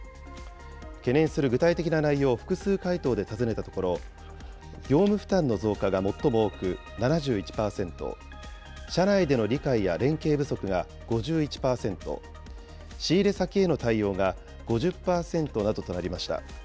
懸念する具体的な内容を複数回答で尋ねたところ、業務負担の増加が最も多く７１％、社内での理解や連携不足が５１％、仕入れ先への対応が５０％などとなりました。